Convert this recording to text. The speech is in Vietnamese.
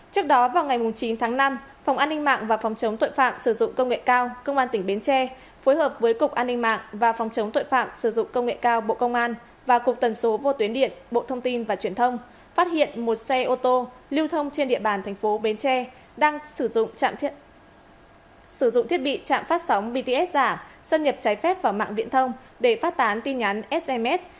trước đó vào ngày chín tháng năm phòng an ninh mạng và phòng chống tội phạm sử dụng công nghệ cao công an tỉnh bến tre phối hợp với cục an ninh mạng và phòng chống tội phạm sử dụng công nghệ cao bộ công an và cục tần số vô tuyến điện bộ thông tin và truyền thông phát hiện một xe ô tô lưu thông trên địa bàn tp bến tre đang sử dụng trạm thiết bị trạm phát sóng bts giả xâm nhập trái phép vào mạng viễn thông để phát tán tin nhắn sms